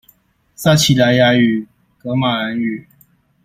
撒奇萊雅語、噶瑪蘭語